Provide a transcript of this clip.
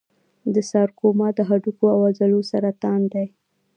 د سارکوما د هډوکو او عضلو سرطان دی.